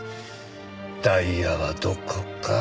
「ダイアはどこ？」か。